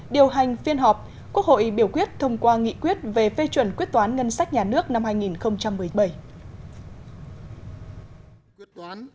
điều hành phiên họp quốc hội biểu quyết thông qua nghị quyết về phê chuẩn quyết toán ngân sách nhà nước năm hai nghìn một mươi bảy